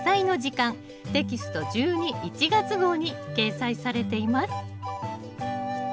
テキスト１２・１月号に掲載されています。